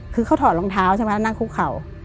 คือเขาถอดรองเท้าใช่ไหมนั่งคุกเข่า